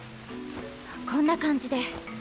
こんな感じで。